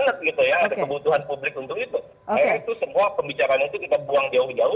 itu semua pembicaraan itu kita buang jauh jauh karena kita tahu bahwa reshuffle ini